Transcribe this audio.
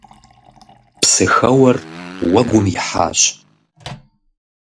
Псыхэуэр уэгум ихьащ.